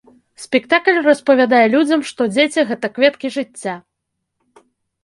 Спектакль распавядае людзям, што дзеці гэта кветкі жыцця!